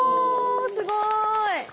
すごい。